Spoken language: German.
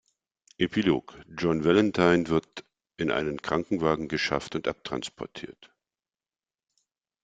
Epilog: John Valentine wird in einen Krankenwagen geschafft und abtransportiert.